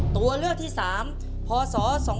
ตัวเลือกที่๓พศ๒๕๖